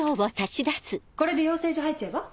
これで養成所入っちゃえば？